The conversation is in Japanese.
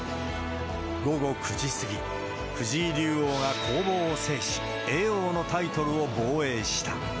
午後９時過ぎ、藤井竜王が攻防を制し、叡王のタイトルを防衛した。